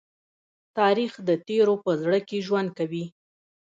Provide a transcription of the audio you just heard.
تاریخ د تېرو په زړه کې ژوند کوي.